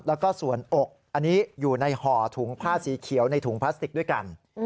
แล้วก็ส่วนอกอันนี้อยู่ในห่อถุงผ้าสีเขียวในถุงพลาสติกด้วยกัน